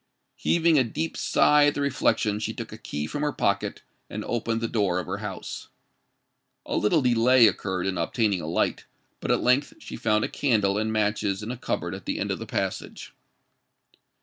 Heaving a deep sigh at the reflection, she took a key from her pocket, and opened the door of her house. A little delay occurred in obtaining a light; but at length she found a candle and matches in a cupboard at the end of the passage.